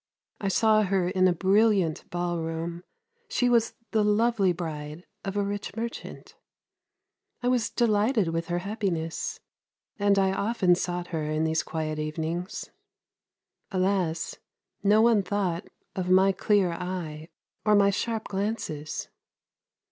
I saw her in a brilliant ballroom; she was the lovely bride of a rich merchant. I was delighted with her happiness, and I often sought her in those quiet evenings. Alas! no one thought of my clear eye or my sharp glances.